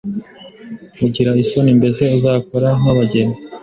ugire isoni mbese uzakore nkabageni